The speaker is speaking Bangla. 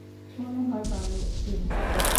মনে হয়, ভার্জিন।